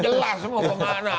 jelas mau kemana